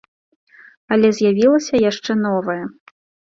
Але з'явілася яшчэ новае.